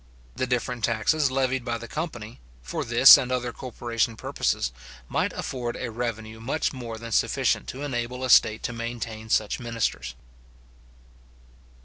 The different taxes levied by the company, for this and other corporation purposes, might afford a revenue much more than sufficient to enable a state to maintain such ministers.